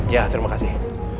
ya terima kasih